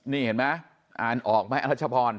นี่เห็นไหมอ่านออกไหมอรัชพร